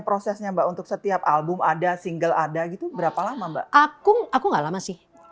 prosesnya mbak untuk setiap album ada single ada gitu berapa lama mbak akung aku nggak lama sih